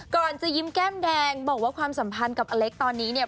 จะยิ้มแก้มแดงบอกว่าความสัมพันธ์กับอเล็กตอนนี้เนี่ย